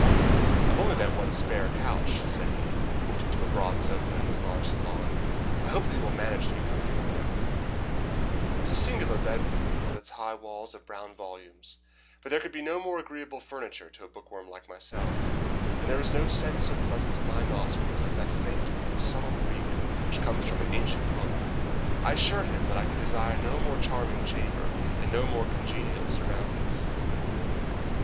"I have only that one spare couch," said he, pointing to a broad sofa in his large salon; "I hope that you will manage to be comfortable there." It was a singular bedroom, with its high walls of brown volumes, but there could be no more agreeable furniture to a bookworm like myself, and there is no scent so pleasant to my nostrils as that faint, subtle reek which comes from an ancient book. I assured him that I could desire no more charming chamber, and no more congenial surroundings.